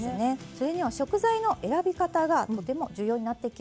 それには食材の選び方がとても重要になってきます。